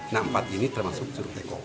nah empat ini termasuk curug teko